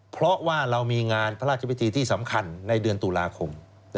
เพราะว่าเรามีงานพระราชพิธีที่สำคัญในเดือนตุลาคม